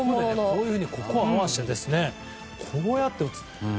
こういうふうに合わせてこうやって打つ。